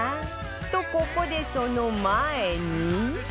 とここでその前に